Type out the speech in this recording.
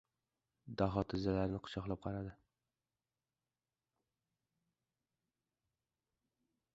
Daho tizzalarini quchoqlab qaradi.